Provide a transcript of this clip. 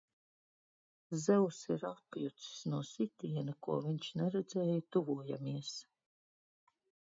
Zeus ir apjucis no sitiena, ko viņš neredzēja tuvojamies!